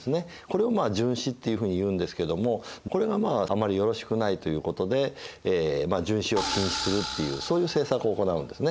これを殉死っていうふうに言うんですけどもこれがまああまりよろしくないということで殉死を禁止するっていうそういう政策を行うんですね。